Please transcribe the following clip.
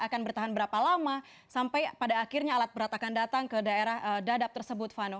akan bertahan berapa lama sampai pada akhirnya alat berat akan datang ke daerah dadap tersebut vano